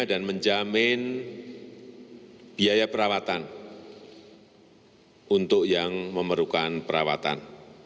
dan menjamin biaya perawatan untuk yang memerlukan perawatan